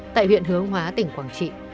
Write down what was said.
tại huyện hướng hóa tỉnh quảng trị